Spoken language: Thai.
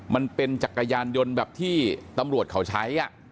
มันเป็นจักรยานยนต์แบบที่ตำรวจเขาใช้